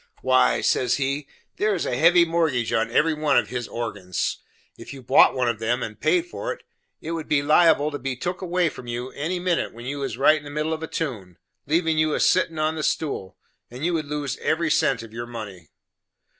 "Why," says he, "there is a heavy mortgage on every one of his organs. If you bought one of him, and paid for it, it would be liable to be took away from you any minute when you was right in the middle of a tune, leavin' you a settin' on the stool; and you would lose every cent of your money."